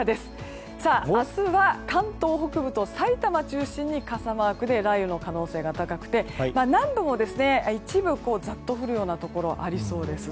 明日は関東北部とさいたま中心に傘マークで雷雨の可能性が高くて南部も一部ざっと降るようなところありそうです。